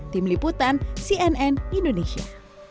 tim liputan cnn indonesia